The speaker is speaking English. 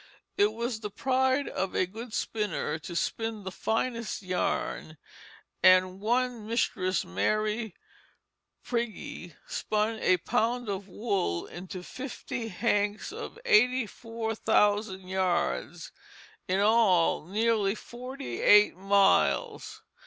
It was the pride of a good spinster to spin the finest yarn, and one Mistress Mary Prigge spun a pound of wool into fifty hanks of eighty four thousand yards; in all, nearly forty eight miles.